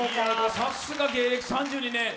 さすが芸歴３２年。